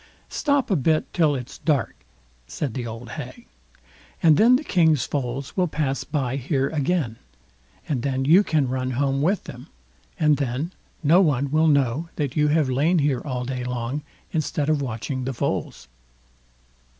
"Stop a bit till it's dark", said the old hag, "and then the king's foals will pass by here again, and then you can run home with them, and then no one will know that you have lain here all day long, instead of watching the foals."